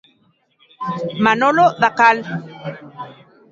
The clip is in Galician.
Manolo Dacal.